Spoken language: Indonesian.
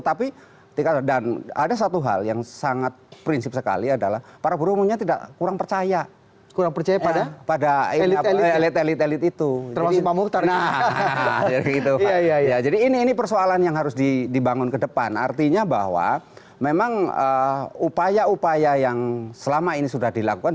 tapi apa yang terjadi